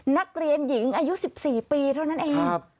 นักเรียนหญิงอายุ๑๔ปีเท่านั้นเอง